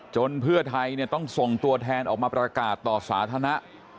เพื่อไทยต้องส่งตัวแทนออกมาประกาศต่อสาธารณะ